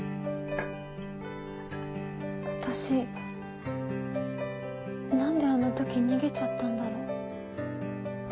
私なんであの時逃げちゃったんだろう。